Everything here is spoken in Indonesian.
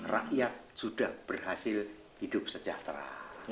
rakyat sudah berhasil hidup sejahtera